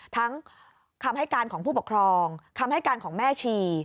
ทั้งคำให้การของผู้ปกครองคำให้การของแม่ชี